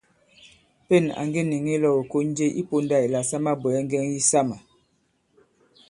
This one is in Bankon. Pên à ŋge nìŋi ilɔ̄w ìkon je i pōndā ìla sa mabwɛ̀ɛ ŋgɛŋ yisamà.